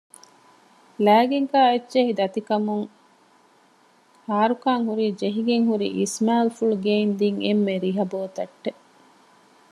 ލައިގެންކާ އެއްޗެހި ދަތިކަމުން ހާރުކާން ހުރީ ޖެހިގެންހުރި އިސްމާއީލްފުޅު ގެއިން ދިން އެންމެ ރިހަ ބޯތައްޓެއް